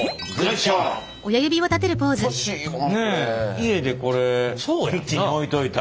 家でこれキッチンに置いといたら。